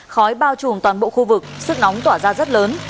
khói bao trùm toàn bộ khu vực sức nóng tỏa ra rất lớn